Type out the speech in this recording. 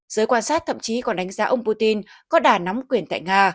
giới quan sát thậm chí còn đánh giá ông putin có đà nắm quyền tại nga